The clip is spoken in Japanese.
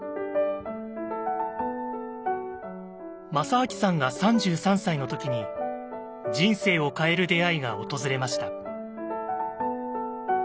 正明さんが３３歳の時に人生を変える出会いが訪れました。